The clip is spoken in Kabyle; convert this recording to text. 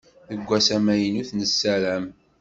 Deg ass amynut nessaram.